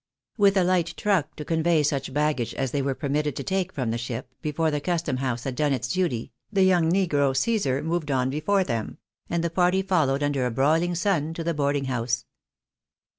With a hght truck to convey such baggage as they were per mitted to take from the ship, before the Custom house had done its duty, the young negro, Csesar, moved on before them, and the party followed under a broihng sun to the boarding house.